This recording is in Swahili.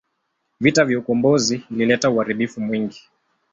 Vita ya ukombozi ilileta uharibifu mwingi.